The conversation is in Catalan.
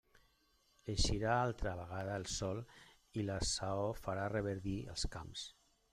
Eixirà altra vegada el sol i la saó farà reverdir els camps.